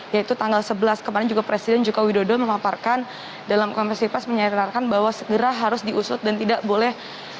yaitu tanggal sebelas kemarin juga presiden joko widodo memaparkan dalam konversi pes menyatakan bahwa segera harus diusut dan tidak boleh